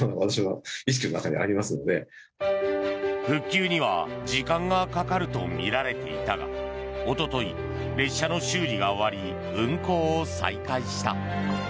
復旧には時間がかかるとみられていたがおととい、列車の修理が終わり運行を再開した。